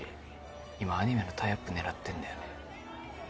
今アニメのタイアップ狙ってんだよね。